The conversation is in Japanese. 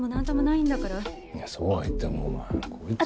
そうは言ってもお前こいつは。